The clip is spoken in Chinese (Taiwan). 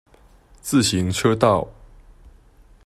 自行車道